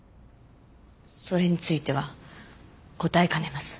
それについては答えかねます。